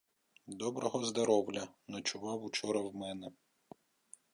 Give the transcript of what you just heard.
— Доброго здоровля! Ночував учора в мене.